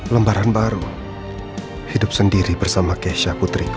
lembaran baru hidup sendiri bersama keisha putri